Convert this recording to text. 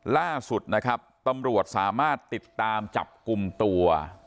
ล่าสุดนะครับตำรวจสามารถติดตามจับกลุ่มตัว